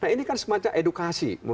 ini kan semacam edukasi